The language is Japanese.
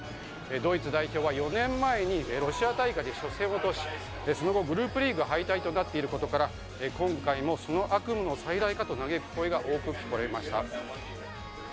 ドイツ代表は４年前にロシア大会で初戦を落とし、その後グループリーグ敗退となっていることから今回もその悪夢の再来だと嘆く声が多く聞こえました。